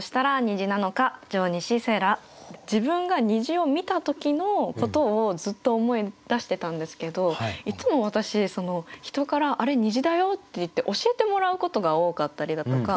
自分が虹を見た時のことをずっと思い出してたんですけどいつも私人から「あれ虹だよ」って言って教えてもらうことが多かったりだとか